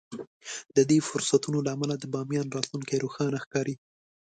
د دې فرصتونو له امله د باميان راتلونکی روښانه ښکاري.